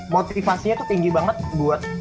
motivasinya tuh tinggi banget buat